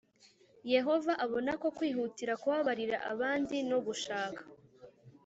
Yehova abona ko kwihutira kubabarira abandi no gushaka